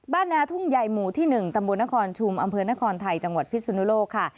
นาทุ่งใหญ่หมู่ที่๑ตำบลนครชุมอำเภอนครไทยจังหวัดพิสุนุโลกค่ะ